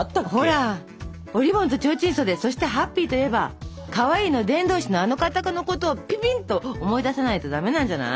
ほら「おりぼんとちょうちん袖」そして「ＨＡＰＰＹ」といえばかわいいの伝道師のあの方のことをピピンと思い出さないとダメなんじゃない？